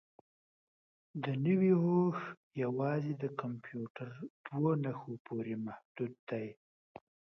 دا نوي هوښ یوازې د کمپیوټر دوو نښو پورې محدود دی.